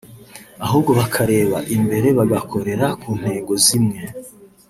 ahubwo bakareba imbere bagakorera ku ntego zimwe